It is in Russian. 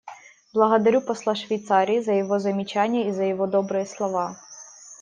Благодарю посла Швейцарии за его замечания и за его добрые слова.